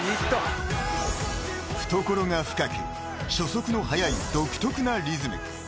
［懐が深く初速の速い独特なリズム］